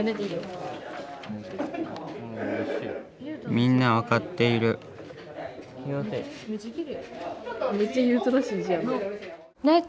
みんな分かっている。